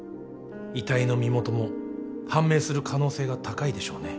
遺体の身元も判明する可能性が高いでしょうね。